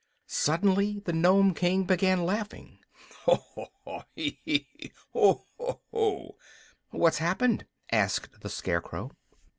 Suddenly the Nome King began laughing. "Ha, ha, ha! He, he, he! Ho, ho, ho!" "What's happened?" asked the Scarecrow.